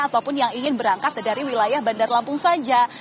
ataupun yang ingin berangkat dari wilayah bandar lampung saja